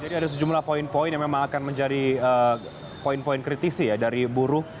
jadi ada sejumlah poin poin yang memang akan menjadi poin poin kritisi ya dari buruh